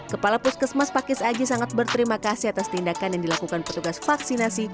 kepala puskesmas pakis aji sangat berterima kasih atas tindakan yang dilakukan petugas vaksinasi